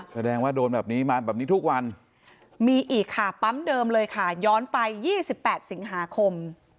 แสดงว่าโดนแบบนี้มาแบบนี้ทุกวันมีอีกค่ะปั๊มเดิมเลยค่ะย้อนไป๒๘สิงหาคม